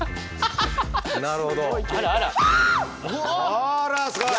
あらすごい。